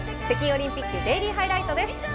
北京オリンピックデイリーハイライトです。